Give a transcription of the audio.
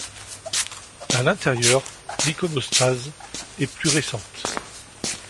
À l'intérieur, l'iconostase est plus récente.